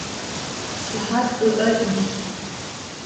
Сыхьат ыӏэ илъ.